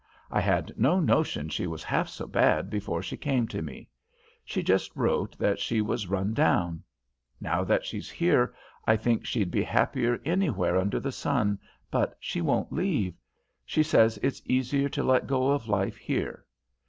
I had no notion she was half so bad before she came to me. She just wrote that she was run down. Now that she's here, I think she'd be happier anywhere under the sun, but she won't leave. She says it's easier to let go of life here.